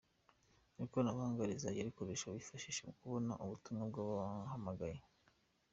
Ikoranabunga rizajya rikoresha bifashe mu kubona ubutumwa n’abahamagaye